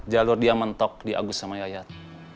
jalur dia mentok di agus sama yayat